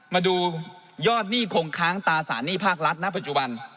มาดูยอดหนี้คงค้างตาสารหนี้ภาครัฐณปัจจุบัน